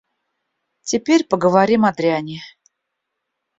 Теперь поговорим о дряни.